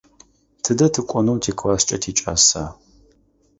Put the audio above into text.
Тыдэ тыкӏонэу тикласскӏэ тикӏаса?